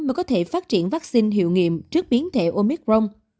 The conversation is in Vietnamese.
mới có thể phát triển vắc xin hiệu nghiệm trước biến thể omicron